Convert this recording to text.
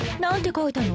書いたの？